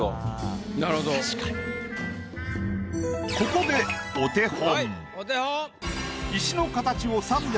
ここでお手本。